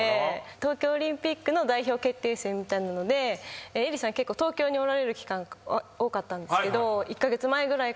東京オリンピックの代表決定戦みたいなので絵莉さん東京におられる期間多かったんですけど。